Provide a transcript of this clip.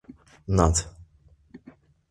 Not.